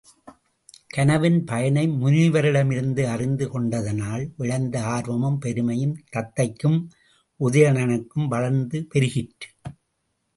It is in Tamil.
கனவின் பயனை முனிவரிடமிருந்து அறிந்து கொண்டதனால் விளைந்த ஆர்வமும் பெருமையும், தத்தைக்கும் உதயணனுக்கும் வளர்ந்து பெருகிற்று.